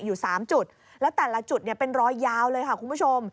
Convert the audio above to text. อยู่๓จุดแล้วแต่ละจุดเนี่ยเป็นรอยยาวเลยค่ะคุณผู้ชม